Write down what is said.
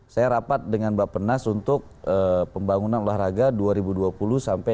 saya rapat dengan bapak penas untuk pembangunan olahraga dua ribu dua puluh sampai dua ribu dua puluh